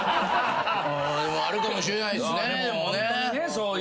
あるかもしれないっすねでもね。